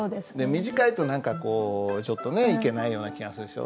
短いと何かこうちょっとねいけないような気がするでしょ。